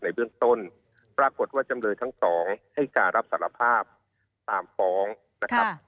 ในเบื้องต้นปรากฏว่าจำเลยทั้งสองให้การรับสารภาพตามฟ้องนะครับ